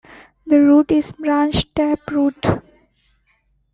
The root is a branched tap root.